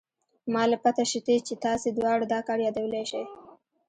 ما له پته شتې چې تاسې دواړه دا كار يادولې شې.